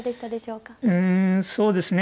うんそうですね。